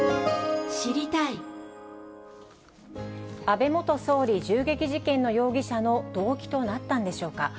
安倍元総理銃撃事件の容疑者の動機となったんでしょうか。